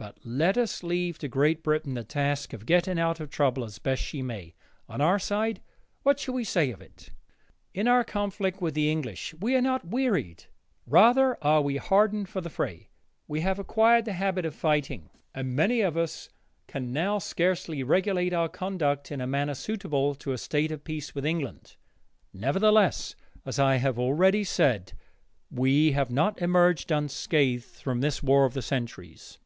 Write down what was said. But let us leave to Great Britain the task of getting out of trouble as best she may. On our side, what shall we say of it? In our conflict with the English we are not wearied; rather are we hardened for the fray. We have acquired the habit of fighting, and many of us can now scarcely regulate our conduct in a manner suitable to a state of peace with England. Nevertheless, as I have already said, we have not emerged unscathed from this war of the centuries.